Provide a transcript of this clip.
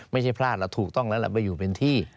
ไม่ใช่พลาดแล้วถูกต้องแล้วล่ะไปอยู่เป็นที่